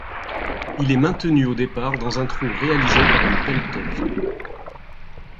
Il est maintenu au départ dans un trou réalisé par une pelleteuse.